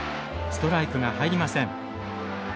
ストライクが入りません。